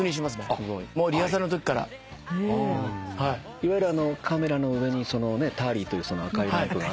いわゆるカメラの上にタリーという赤いランプがあって。